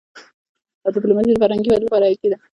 ډيپلوماسي د فرهنګي ودي لپاره حياتي ده.